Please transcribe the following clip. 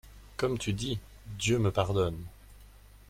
Comme tu dis, Dieu me pardonne!